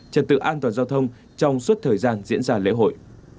trật tự an toàn giao thông trong suốt thời gian diễn ra lễ hội